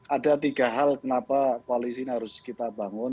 ada tiga hal kenapa koalisi ini harus kita bangun